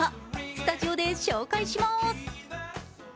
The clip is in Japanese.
スタジオで紹介します。